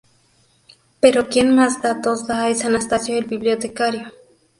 Pero quien más datos da es Anastasio el Bibliotecario.